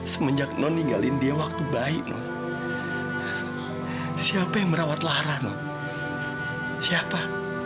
semenjak non ninggalin dia waktu bayi non siapa yang merawat lara non siapa